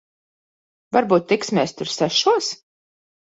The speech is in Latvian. Varbūt tiksimies tur sešos?